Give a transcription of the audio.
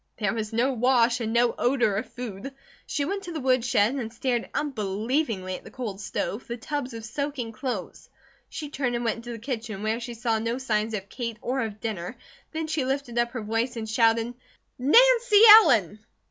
There was no wash and no odour of food. She went to the wood shed and stared unbelievingly at the cold stove, the tubs of soaking clothes. She turned and went into the kitchen, where she saw no signs of Kate or of dinner, then she lifted up her voice and shouted: "Nancy Ellen!"